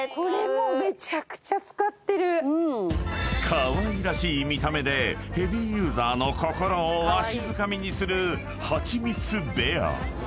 ［かわいらしい見た目でヘビーユーザーの心をわしづかみにする］